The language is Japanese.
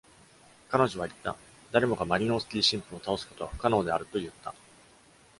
彼女は言った：「誰もがマリノウスキー神父を倒すことは不可能であると言った。」